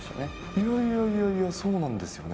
いやいやいやいや、そうなんですよね。